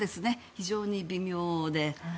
非常に微妙で。